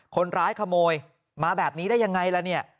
คนร้ายขโมยมาแบบนี้ได้ยังไงล่ะเนี่ย